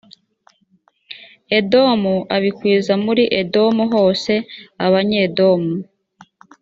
edomu abikwiza muri edomu hose abanyedomu